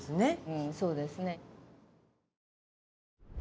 うんそうですね。